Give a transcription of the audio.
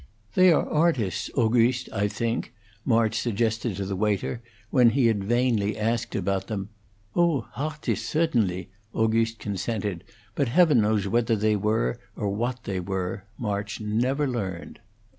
"They are artists, August, I think," March suggested to the waiter, when he had vainly asked about them. "Oh, hartis, cedenly," August consented; but Heaven knows whether they were, or what they were: March never learned.